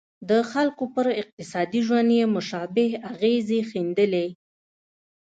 د خلکو پر اقتصادي ژوند یې مشابه اغېزې ښندلې.